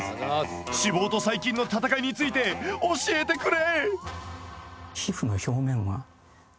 脂肪と細菌の戦いについて教えてくれ！